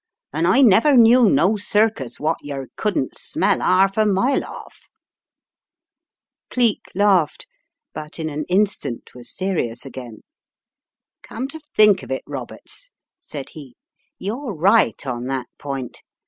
And I never knew no circus wot yer couldn't smell 'arf a mile off." Cleek laughed, but in an instant was serious again. "Come to think of it, Roberts," said he, "you're right on that point.